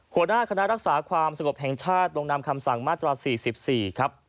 หัวหน้าคณะรักษาความสงบแห่งชาติลงนามคำสั่งมาตรา๔๔ครับ